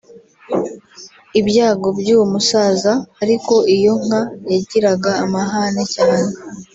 Ibyago by’uwo musaza ariko iyo nka yagiraga amahane cyane